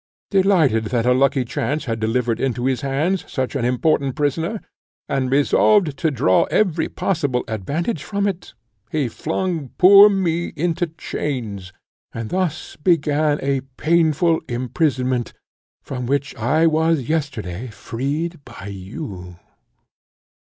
Delighted that a lucky chance had delivered into his hands such an important prisoner, and resolved to draw every possible advantage from it, he flung poor me into chains, and thus began a painful imprisonment, from which I was yesterday freed by you.